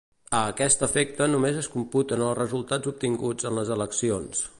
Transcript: A aquest efecte només es computen els resultats obtinguts en les eleccions.